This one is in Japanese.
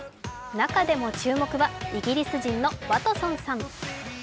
中でも注目はイギリス人のワトソンさん。